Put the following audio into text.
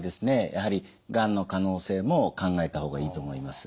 やはりがんの可能性も考えた方がいいと思います。